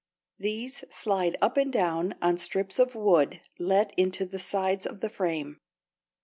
These slide up and down on strips of wood let into the sides of the frame.